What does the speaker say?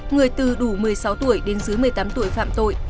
người từ đủ một mươi sáu tuổi đến dưới một mươi tám tuổi phạm tội